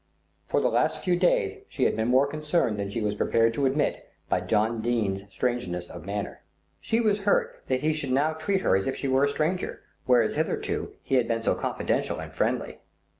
For the last few days she had been more concerned than she was prepared to admit by John Dene's strangeness of manner. She was hurt that he should now treat her as if she were a stranger, whereas hitherto he had been so confidential and friendly.